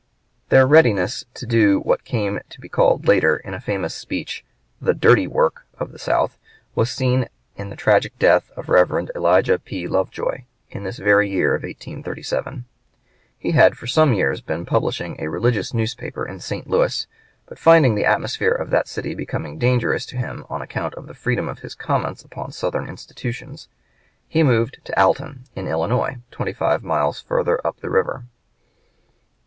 Their readiness to do what came to be called later, in a famous speech, the "dirty work" of the South was seen in the tragic death of Rev. Elijah P. Lovejoy, in this very year of 1837. He had for some years been publishing a religious newspaper in St. Louis, but finding the atmosphere of that city becoming dangerous to him on account of the freedom of his comments upon Southern institutions, he moved to Alton, in Illinois, twenty five miles further up the river.